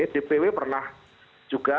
dpw pernah juga